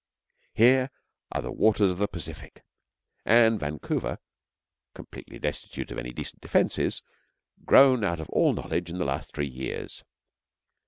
Here are the waters of the Pacific, and Vancouver (completely destitute of any decent defences) grown out of all knowledge in the last three years.